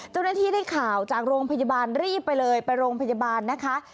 เจ้าหน้าที่ได้ข่าวจากโรงพยาบาลรีบไปเลยไปโรงพยาบาลนะคะ